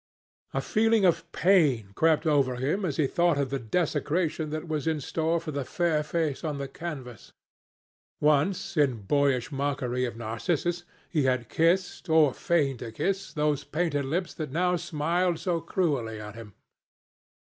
A feeling of pain crept over him as he thought of the desecration that was in store for the fair face on the canvas. Once, in boyish mockery of Narcissus, he had kissed, or feigned to kiss, those painted lips that now smiled so cruelly at him.